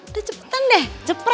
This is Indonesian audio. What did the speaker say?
udah cepetan deh jepret